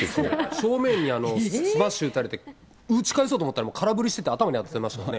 正面にスマッシュ打たれて打ち返そうと思ったら、もう空振りしてて、頭に当たってましたね。